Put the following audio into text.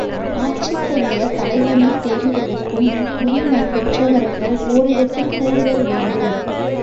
ஆட்சிக்குரிய தலைவனைத் தேர்ந்தெடுக்கும் உரிமையைப் பெற்றவர்கள் ஒரிடத்தில் கூடுதல் வேண்டும்.